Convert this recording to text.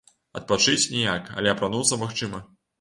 Адпачыць ніяк, але апрануцца магчыма.